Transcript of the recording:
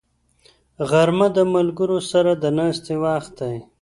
غرمه د ملګرو سره د ناستې وخت دی